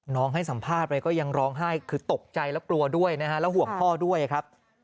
ให้สัมภาษณ์ไปก็ยังร้องไห้คือตกใจและกลัวด้วยนะฮะแล้วห่วงพ่อด้วยครับ